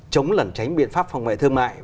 chống lẩn tránh biện pháp phòng vệ thương mại